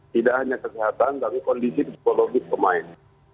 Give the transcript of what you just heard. tidak hanya kesehatan tapi kondisi psikologis pemain